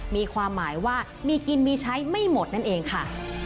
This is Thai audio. มีความหมายว่ามีกินมีใช้ไม่หมดนั่นเองค่ะ